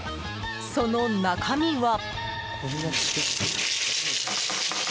その中身は。